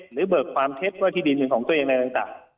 หรือเบิกความเท็จว่าที่ดินเป็นของตัวเองในลักษณะ